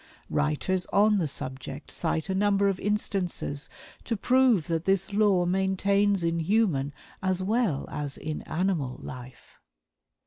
Writers on the subject cite a number of instances to prove that this law maintains in human as well is in animal life.